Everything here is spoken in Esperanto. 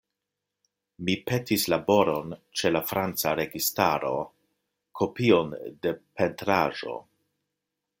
Mi petis laboron ĉe la franca registaro, kopion de pentraĵo.